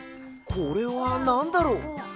これはなんだろう？